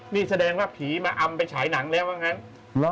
นี่แสดงว่าผีมาอำไปฉายหนังแล้วว่างั้น